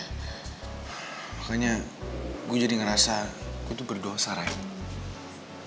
makanya gue jadi ngerasa gue itu berdosa rahim